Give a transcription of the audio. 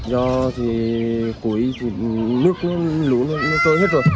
do thì cuối thì nước nó lúa nó sôi hết rồi